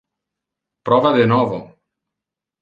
Prova de novo.